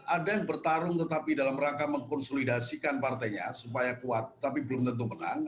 ada yang bertarung tetapi dalam rangka mengkonsolidasikan partainya supaya kuat tapi belum tentu menang